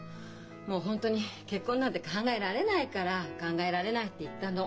もう本当に結婚なんて考えられないから「考えられない」って言ったの。